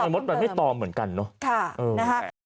จะต้องตรวจสอบเพิ่มเพิ่มนะครับ